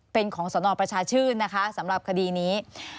เป็นของสนประชาชื่นนะคะสำหรับคดีนี้